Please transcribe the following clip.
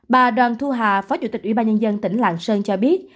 bà đoàn thu hà phó chủ tịch ủy ban nhân dân tỉnh lạng sơn cho biết